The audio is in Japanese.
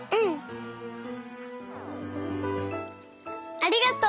ありがとう。